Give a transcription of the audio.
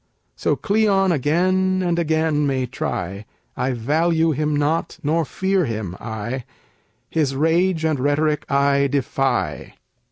So Cleon again and again may try; I value him not, nor fear him, I! His rage and rhetoric I defy.